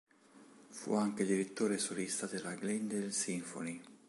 Fu anche direttore e solista della Glendale Symphony.